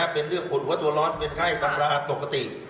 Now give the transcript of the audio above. เป็นเรื่องปวดหัวตัวร้อนเป็นไข้ตำราปกติ